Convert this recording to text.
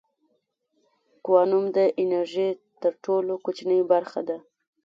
کوانوم د انرژۍ تر ټولو کوچنۍ برخه ده.